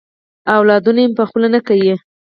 اولادونه مي په خوله نه کیې.